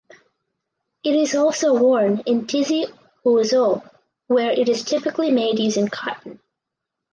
It is also worn in Tizi Ouzou where it is typically made using cotton.